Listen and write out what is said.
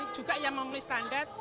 juga yang memiliki standar